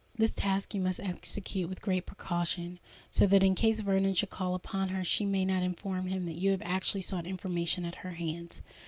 This task you must execute with great precaution, so that in case Vernon should call upon her she may not inform him that you have actually sought information at her hands.